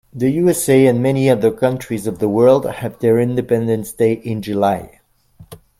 The USA and many other countries of the world have their independence day in July.